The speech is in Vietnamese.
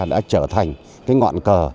đã trở thành cái ngọn cờ